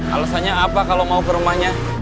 alasannya apa kalau mau ke rumahnya